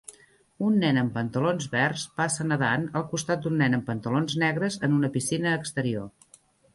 un nen amb pantalons verds passa nedant al costat d'un nen amb pantalons negres en una piscina exterior.